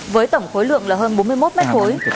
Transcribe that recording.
với tổng khối lượng là hơn bốn mươi một mét khối